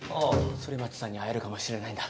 反町さんに会えるかもしれないんだ。